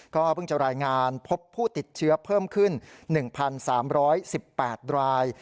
ก็เพิ่งจะรายงานพบผู้ติดเชื้อเพิ่มขึ้น๑๓๑๘ราย